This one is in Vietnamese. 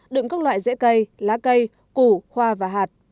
đựng các loại rễ cây lá cây củ khoa và hạt